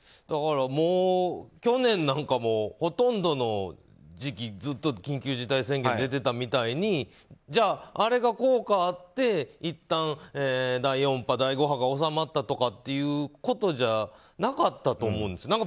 だから、去年なんかもほとんどの時期ずっと緊急事態宣言が出ていたみたいにじゃあ、あれが効果あっていったん第４波、第５波が収まったとかっていうことじゃなかったと思うんです。